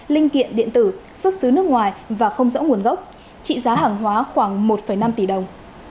linh kiện điện tử xuất xứ nước ngoài và không rõ nguồn gốc trị giá hàng hóa khoảng một năm tỷ đồng